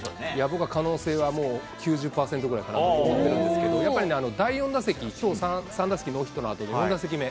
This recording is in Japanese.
僕は可能性はもう、９０％ぐらいかなと思ってるんですけど、やっぱりね、第４打席、きょう、３打席ノーヒットのあとの４打席目。